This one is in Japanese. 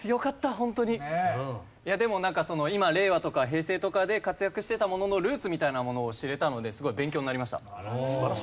でもなんか今令和とか平成とかで活躍してたもののルーツみたいなものを知れたのですごい勉強になりました。